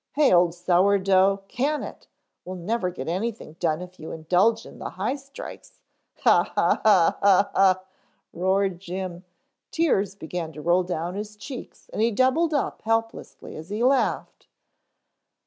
"Hey, Old Sour dough, can it! We'll never get anything done if you indulge in hi strikes " "Ha, ha, ha ah haa," roared Jim. Tears began to roll down his cheeks and he doubled up helplessly as he laughed.